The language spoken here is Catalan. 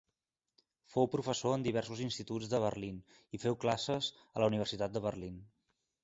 Fou professor en diversos instituts de Berlín i feu classes a la universitat de Berlín.